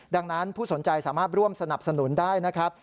ดังนั้นผู้สนใจสามารถร่วมสนับสนุนได้นะครับ